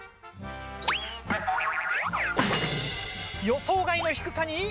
予想外の低さに。